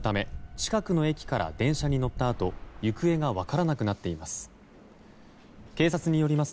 近くの駅から電車に乗ったあと行方が分からなくなっています。